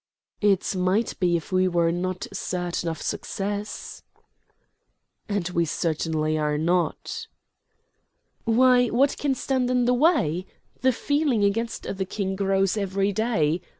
"It might be if we were not certain of success." "And we certainly are not." "Why, what can stand in the way? The feeling against the King grows every day.